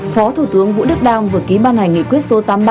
phó thủ tướng vũ đức đam vừa ký ban hành nghị quyết số tám mươi ba